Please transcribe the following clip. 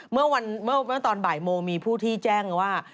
เมื่อตอนบ่ายโมงมีผู้ที่แจ้งว่า